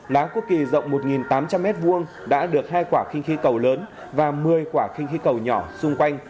lá quốc kỳ rộng một tám trăm linh m hai đã được hai quả kinh khí cầu lớn và một mươi quả kinh khí cầu nhỏ xung quanh